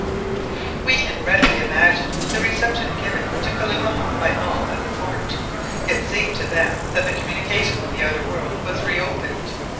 We can readily imagine the reception given to Kalumah by all at the fort. It seemed to them that the communication with the outer world was reopened.